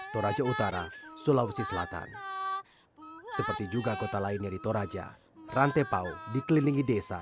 kami dianggap sebagai gelombang pertama yang berasal dari asia tenggara